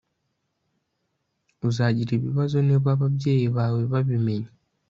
uzagira ibibazo niba ababyeyi bawe babimenye